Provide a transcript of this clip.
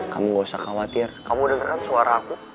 kamu gak usah khawatir kamu dengarkan suara aku